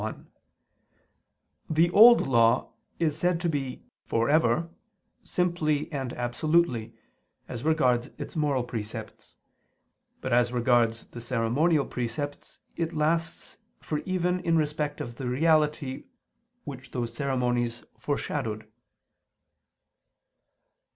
1: The Old Law is said to be "for ever" simply and absolutely, as regards its moral precepts; but as regards the ceremonial precepts it lasts for even in respect of the reality which those ceremonies foreshadowed.